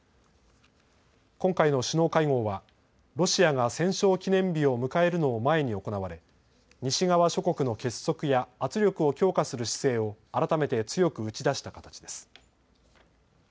今回の首脳会合はロシアが戦勝記念日を迎えるのを前に行われ、西側諸国の結束や圧力を強化する姿勢を改めて強く打ち出した形です。